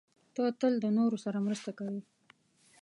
ته تل د نورو سره مرسته کوې.